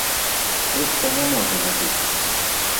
Проста не можа не быць!